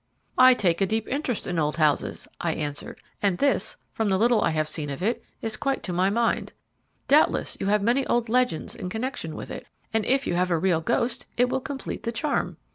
"I take a deep interest in old houses," I answered; "and this, from the little I have seen of it, is quite to my mind. Doubtless you have many old legends in connection with it, and if you have a real ghost it will complete the charm."